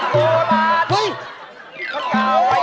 เยอะมาก